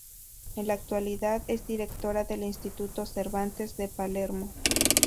En la actualidad es directora del Instituto Cervantes de Palermo.